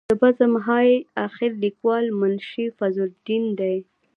د بزم های اخیر لیکوال منشي فضل الدین دی.